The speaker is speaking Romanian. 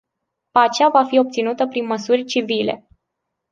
Pacea va fi obținută prin măsuri civile.